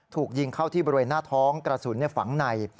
ถูกยิงเข้าที่บริเวณหน้าท้องกระสุนฝังใน